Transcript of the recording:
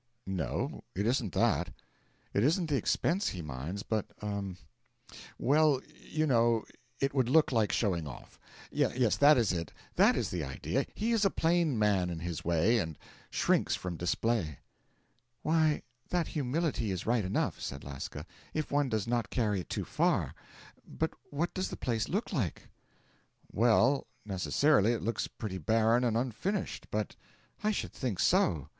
'No it isn't that. It isn't the expense he minds, but er well, you know, it would look like showing off. Yes, that is it, that is the idea; he is a plain man in his way, and shrinks from display.' 'Why, that humility is right enough,' said Lasca, 'if one does not carry it too far but what does the place look like?' 'Well, necessarily it looks pretty barren and unfinished, but ' 'I should think so!